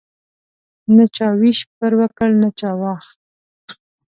نه چا ویش پر وکړ نه چا واخ.